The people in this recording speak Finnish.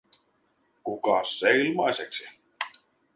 Kukas se ilmaiseksi?